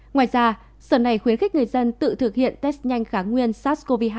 ngoài ra sở này khuyến khích người dân tự thực hiện test nhanh kháng nguyên sars cov hai